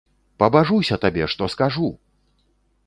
Пабажуся табе, што скажу!